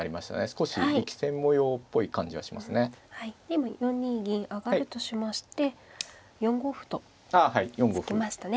今４二銀上がるとしまして４五歩と突きましたね。